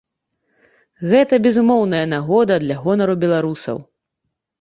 Гэта безумоўная нагода для гонару беларусаў.